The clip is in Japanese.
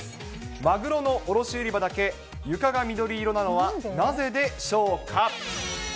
マグロの卸売場だけ床が緑色なのはなぜでしょうか。